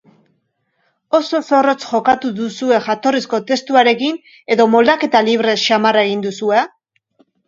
Oso zorrotz jokatu duzue jatorrizko testuarekin edo moldaketa libre samarra egin duzue?